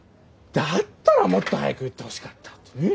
だったらもっと早く言ってほしかったってねえ？